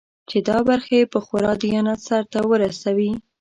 چې دا برخې په خورا دیانت سرته ورسوي.